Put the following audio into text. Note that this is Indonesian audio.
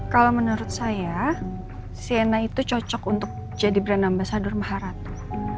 kalau menurut saya sienna itu cocok untuk jadi bernama sadur maharatu